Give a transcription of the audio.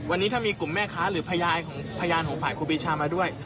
วันนี้ถ้ามีกลุ่มแม่ค้าหรือพยานของพยานของฝ่ายครูปีชามาด้วย